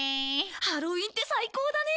ハロウィンって最高だね！